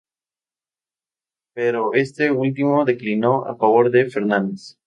Pero este último declinó a favor de Fernández.